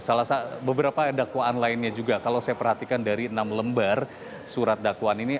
salah satu beberapa dakwaan lainnya juga kalau saya perhatikan dari enam lembar surat dakwaan ini